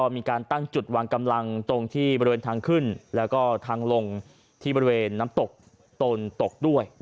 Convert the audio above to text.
มีการตั้งจุดวางกำลังตรงที่บริเวณทางขึ้นแล้วก็ทางลงที่บริเวณน้ำตกตนตกด้วย